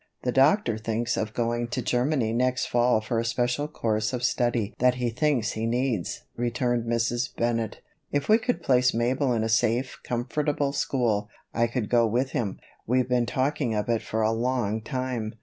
"The Doctor thinks of going to Germany next fall for a special course of study that he thinks he needs," returned Mrs. Bennett. "If we could place Mabel in a safe, comfortable school, I could go with him. We've been talking of it for a long time."